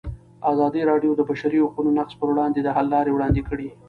ازادي راډیو د د بشري حقونو نقض پر وړاندې د حل لارې وړاندې کړي.